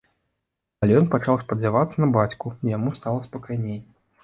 Але ён пачаў спадзявацца на бацьку, і яму стала спакайней.